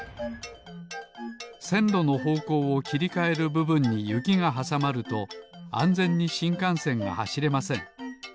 せんろのほうこうをきりかえるぶぶんにゆきがはさまるとあんぜんにしんかんせんがはしれません。